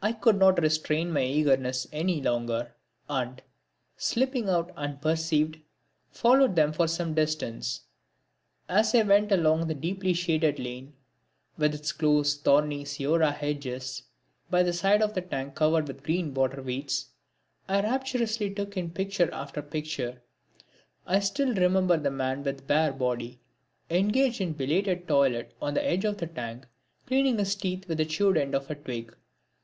I could not restrain my eagerness any longer, and, slipping out unperceived, followed them for some distance. As I went along the deeply shaded lane, with its close thorny seora hedges, by the side of the tank covered with green water weeds, I rapturously took in picture after picture. I still remember the man with bare body, engaged in a belated toilet on the edge of the tank, cleaning his teeth with the chewed end of a twig.